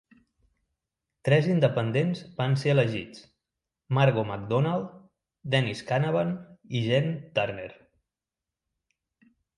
Tres independents van ser elegits: Margo MacDonald, Dennis Canavan i Jean Turner.